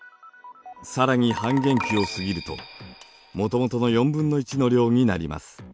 更に半減期を過ぎるともともとの４分の１の量になります。